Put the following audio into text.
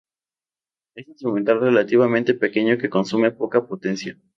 Es instrumental relativamente pequeño que consume poca potencia.